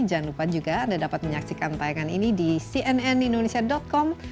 jangan lupa juga anda dapat menyaksikan tayangan ini di cnnindonesia com